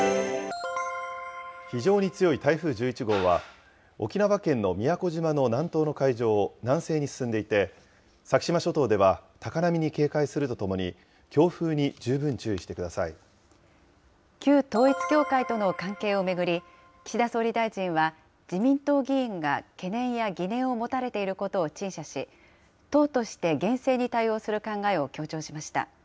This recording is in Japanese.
非常に強い台風１１号は、沖縄県の宮古島の南東の海上を南西に進んでいて、先島諸島では高波に警戒するとともに、強風に十分旧統一教会との関係を巡り、岸田総理大臣は、自民党議員が懸念や疑念を持たれていることを陳謝し、党として厳正に対応する考えを強調しました。